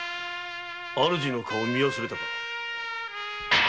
主の顔を見忘れたか。